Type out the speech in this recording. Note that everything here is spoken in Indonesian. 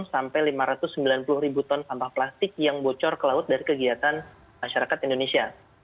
sampai lima ratus sembilan puluh ribu ton sampah plastik yang bocor ke laut dari kegiatan masyarakat indonesia